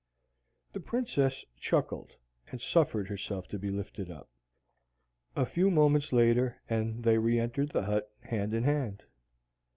The Princess chuckled and suffered herself to be lifted up. A few moments later and they re entered the hut, hand in hand.